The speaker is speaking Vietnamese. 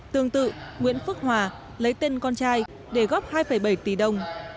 tương tự nguyễn phước hòa lấy tên con trai để góp hai bảy tỷ đồng